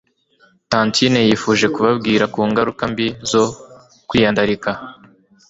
Tantine yifuje kubabwira ku ngaruka mbi zo kwyandarika